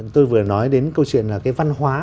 tôi vừa nói đến câu chuyện là cái văn hóa